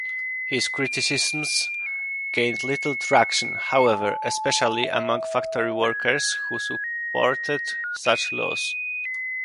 His criticisms gained little traction, however, especially among factory workers who supported such laws.